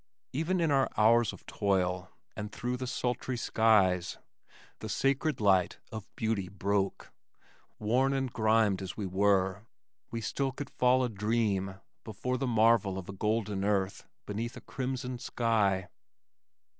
Even in our hours of toil, and through the sultry skies, the sacred light of beauty broke; worn and grimed as we were, we still could fall a dream before the marvel of a golden earth beneath a crimson sky.